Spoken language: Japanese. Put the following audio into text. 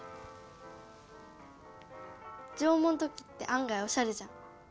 縄文土器ってあん外おしゃれじゃん。